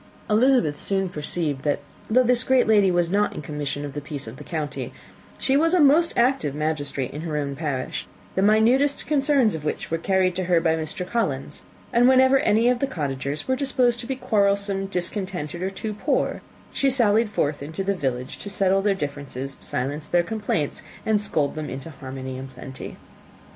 Elizabeth soon perceived, that though this great lady was not in the commission of the peace for the county, she was a most active magistrate in her own parish, the minutest concerns of which were carried to her by Mr. Collins; and whenever any of the cottagers were disposed to be quarrelsome, discontented, or too poor, she sallied forth into the village to settle their differences, silence their complaints, and scold them into harmony and plenty.